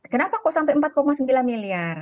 kenapa kok sampai empat sembilan miliar